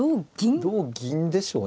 同銀でしょうね。